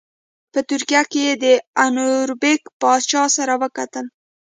په ترکیه کې یې د انوربیګ پاشا سره وکتل.